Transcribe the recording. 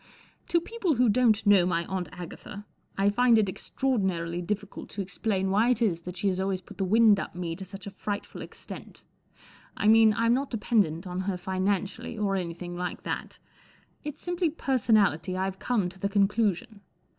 T O people who don't know my Aunt Agatha I find it extraordinarily difficult to explain why it is that she has always put the wind up me to such a frightful ex¬ tent. I mean* I'm not dependent on her finan¬ cially* or anything like that* It's simply per¬ sonality* I Ve come to the conclusion.